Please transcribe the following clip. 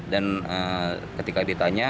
dan ketika ditanya